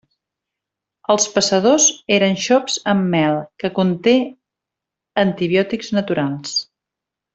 Els passadors eren xops en mel, que conté antibiòtics naturals.